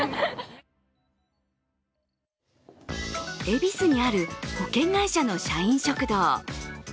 恵比寿にある保険会社の社員食堂。